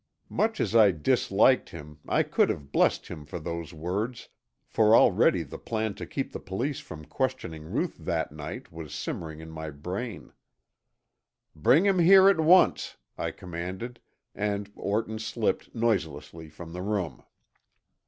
Much as I disliked him I could have blessed him for those words, for already the plan to keep the police from questioning Ruth that night was simmering in my brain. "Bring him here at once," I commanded, and Orton slipped noiselessly from the room.